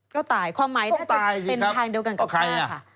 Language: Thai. ก็ตายความหมายก็ตายเป็นทางเดียวกันกับใครค่ะ